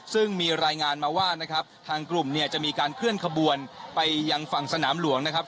ซึ่งมีรายงานมาว่านะครับทางกลุ่มเนี่ยจะมีการเคลื่อนขบวนไปยังฝั่งสนามหลวงนะครับ